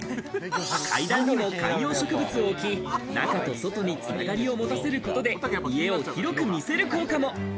階段にも観葉植物を置き、広がりを持たすことで家を広く見せる効果も。